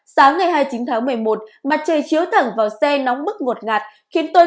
sáng ngày hai mươi chín tháng một mươi một mặt trời chiếu thẳng vào xe nóng mức ngột ngạt